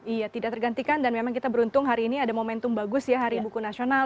iya tidak tergantikan dan memang kita beruntung hari ini ada momentum bagus ya hari buku nasional